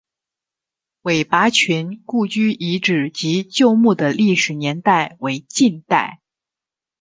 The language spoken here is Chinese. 韦拔群故居遗址及旧墓的历史年代为近代。